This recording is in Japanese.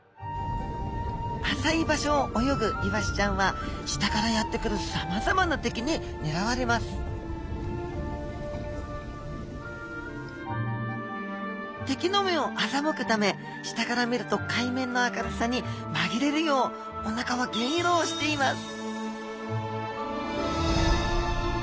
浅い場所を泳ぐイワシちゃんは下からやって来るさまざまな敵にねらわれます敵の目をあざむくため下から見ると海面の明るさにまぎれるようおなかは銀色をしています